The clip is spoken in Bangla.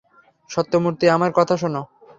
সত্যমুর্তি আমার কথা শোনো।